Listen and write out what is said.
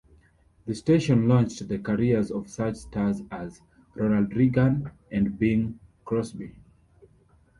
The station launched the careers of such stars as Ronald Reagan and Bing Crosby.